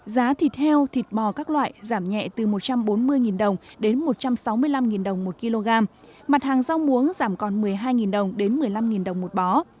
giá thịt heo thịt bò các loại giảm nhẹ từ một trăm bốn mươi đồng đến một trăm sáu mươi năm đồng một kg mặt hàng rau muống giảm còn một mươi hai đồng đến một mươi năm đồng một bó